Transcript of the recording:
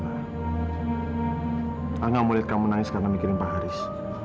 aku gak mau liat kamu nangis karena mikirin pak haris